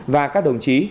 và các đồng chí